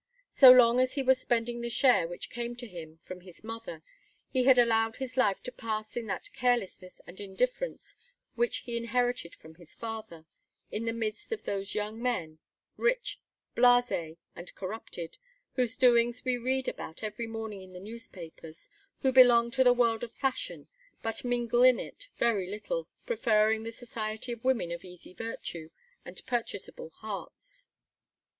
So long as he was spending the share which came to him from his mother, he had allowed his life to pass in that carelessness and indifference which he inherited from his father, in the midst of those young men, rich, blasé, and corrupted, whose doings we read about every morning in the newspapers, who belong to the world of fashion but mingle in it very little, preferring the society of women of easy virtue and purchasable hearts.